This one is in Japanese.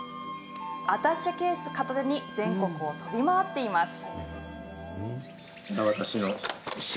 アタッシェケース片手に全国を飛び回っています。